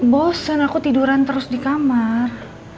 bosen aku tiduran terus di kamar